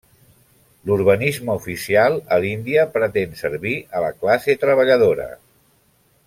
L'urbanisme oficial a l'Índia pretén servir a la classe treballadora.